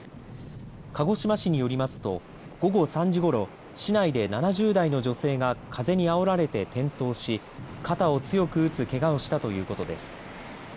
鹿児島市によりますと午後３時ごろ市内で７０代の女性が風にあおられて転倒し肩を強く打つけがをしたということです。